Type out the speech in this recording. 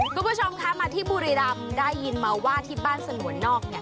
ทุกผู้ชมค่ะมาที่บุรีรามได้ยินมาว่าที่บ้านสนวนนอก